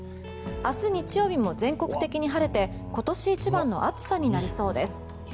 明日日曜日も全国的に晴れて今年一番の暑さになりそうです。